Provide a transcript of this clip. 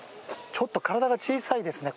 ちょっと体が小さいですね。